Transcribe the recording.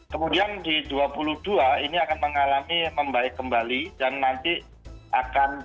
kemudian di dua puluh dua ini akan mengalami membaik kembali dan nanti akan